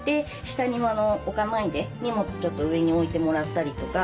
下に置かないで荷物ちょっと上に置いてもらったりとか。